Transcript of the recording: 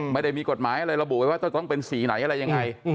ไม่ได้มีกฎหมายอะไรระบุไว้ว่าจะต้องเป็นสีไหนอะไรยังไง